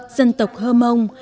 dân tộc hơ mông